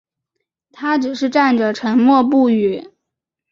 他只是站着沉默不语